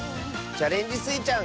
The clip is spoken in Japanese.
「チャレンジスイちゃん」